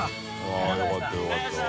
◆舛よかったよかった。